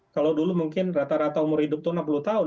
kalau dulu mungkin rata rata umur hidup itu enam puluh tahun